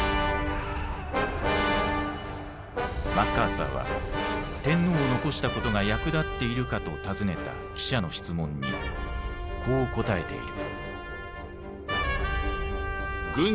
マッカーサーは「天皇を残したことが役立っているか？」と尋ねた記者の質問にこう答えている。